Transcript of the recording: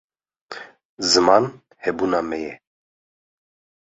ziman hebûna me ye